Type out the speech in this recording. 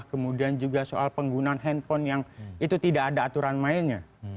kemudian juga soal penggunaan handphone yang itu tidak ada aturan mainnya